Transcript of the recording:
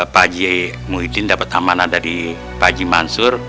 pakji muhyiddin dapet amanah dari pakji mansur